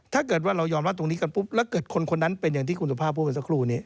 ถ้าเกิดว่าเรายอมรับตรงนี้กันปุ๊บแล้วเกิดคนคนนั้นเป็นอย่างที่คุณสุภาพพูดกันสักครู่นี้